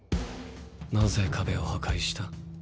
なぜ壁を破壊した？